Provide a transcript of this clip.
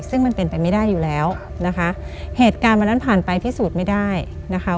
ซึ่งมันเป็นไปไม่ได้อยู่แล้วนะคะเหตุการณ์วันนั้นผ่านไปพิสูจน์ไม่ได้นะคะ